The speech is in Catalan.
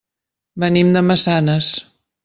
Venim de Massanes.